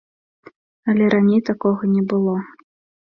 Але раней такога не было.